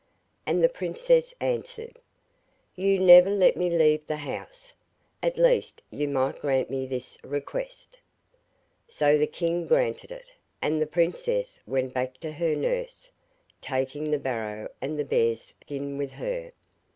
And the princess answered, 'You never let me leave the house at least you might grant me this request' So the king granted it, and the princess went back to her nurse, taking the barrow and the bear's skin with her.